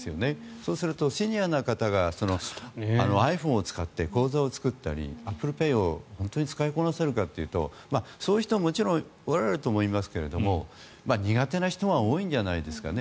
そうするとシニアの方がｉＰｈｏｎｅを使って口座を作ったりアップルペイを本当に使いこなせるかというともちろん、そういう人もいらっしゃると思いますが苦手な人が多いんじゃないですかね。